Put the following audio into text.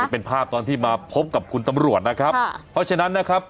เป็นภาพตอนที่มาพบกับคุณตำรวจนะครับเพราะฉะนั้นนะครับ